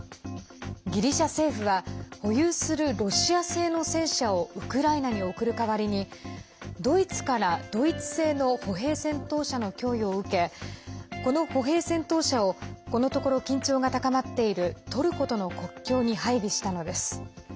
ギリシャ政府は保有するロシア製の戦車をウクライナに送る代わりにドイツからドイツ製の歩兵戦闘車の供与を受けこの歩兵戦闘車をこのところ緊張が高まっているトルコとの国境に配備したのです。